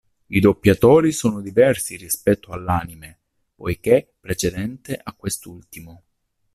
I doppiatori sono diversi rispetto all'anime, poiché precedente a quest'ultimo.